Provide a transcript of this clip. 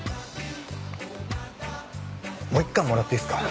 もう１貫もらっていいっすか？